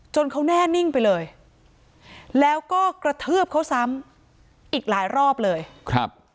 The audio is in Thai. เขาแน่นิ่งไปเลยแล้วก็กระทืบเขาซ้ำอีกหลายรอบเลยครับ